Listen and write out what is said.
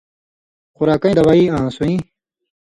خوراکَیں دوائ آں سُویں۔